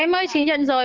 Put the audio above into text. em ơi chị nhận rồi